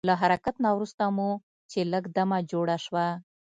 له حرکت نه وروسته مو چې لږ دمه جوړه شوه.